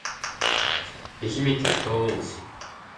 愛媛県東温市